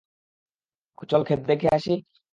চল ক্ষেত দেখে আসি?